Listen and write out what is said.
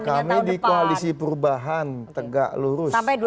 kami di koalisi perubahan tegak lurus